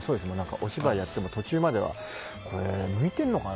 お芝居をやってても、途中までは向いてんのかな？